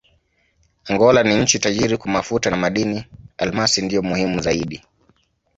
Angola ni nchi tajiri kwa mafuta na madini: almasi ndiyo muhimu zaidi.